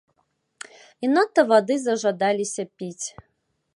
І надта вады зажадалася піць.